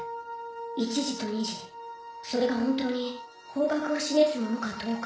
１時と２時それが本当に方角を示すものかどうか。